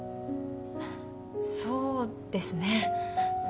そうですね。